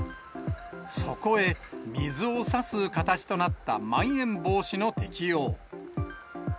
そこへ水をさす形となったまん延防止の適用。